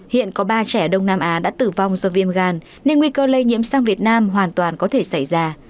hiện có ba trẻ đông nam á đã tử vong do viêm gan nên nguy cơ lây nhiễm sang việt nam hoàn toàn có thể xảy ra